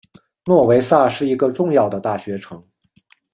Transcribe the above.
诺维萨是一个重要的大学城。